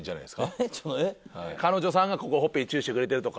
彼女さんがここほっぺにチューしてくれてるとか。